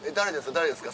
「誰ですか？